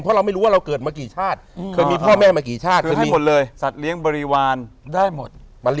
ก็จะได้ทั้งผู้แม่ทั้งตลอด